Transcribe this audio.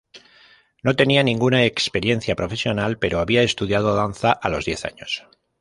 No tenía ninguna experiencia profesional pero había estudiado danza a los diez años.